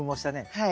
はい。